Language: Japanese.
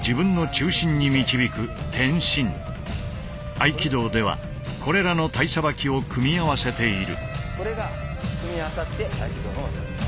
合気道ではこれらの体捌きを組み合わせている。